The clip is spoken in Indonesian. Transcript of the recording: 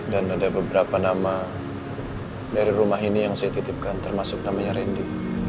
dan ada beberapa nama dari rumah ini yang saya titipkan termasuk namanya rendy